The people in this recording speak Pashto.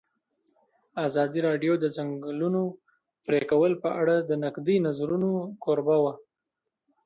ازادي راډیو د د ځنګلونو پرېکول په اړه د نقدي نظرونو کوربه وه.